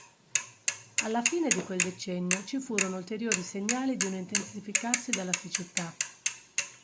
Alla fine di quel decennio ci furono ulteriori segnali di un intensificarsi della siccità.